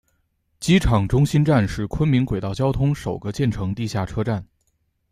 机场中心站是昆明轨道交通首个建成地下车站。